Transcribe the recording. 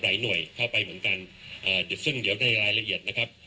หน่วยเข้าไปเหมือนกันเอ่อซึ่งเดี๋ยวในรายละเอียดนะครับ